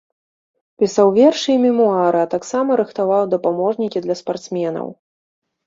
Пісаў вершы і мемуары, а таксама рыхтаваў дапаможнікі для спартсменаў.